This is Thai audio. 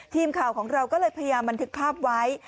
ทีมข่าวของเราก็เลยพยายามบันทึกภาพไว้